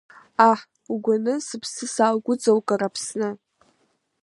Аҳ, угәаны сыԥсны сааугәыҵаукыр, Аԥсны!